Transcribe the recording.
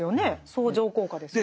相乗効果ですよね。